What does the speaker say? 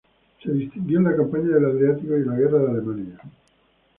Se distinguió en la campaña del Adriático y en la guerra de Alemania.